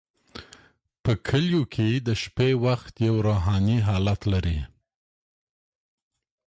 په کلیو کې د شپې وخت یو روحاني حالت لري.